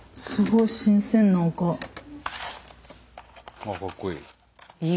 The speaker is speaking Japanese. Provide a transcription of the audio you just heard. あっかっこいい。